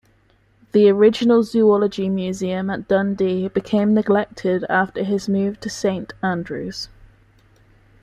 The original Zoology Museum at Dundee became neglected after his move to Saint Andrews.